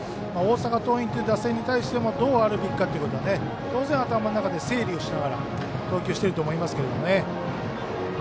大阪桐蔭という打線に対してもどうあるべきかということは当然、頭の中で整理をしながら投球していると思いますけどね。